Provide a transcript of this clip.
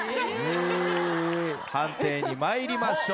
判定に参りましょう。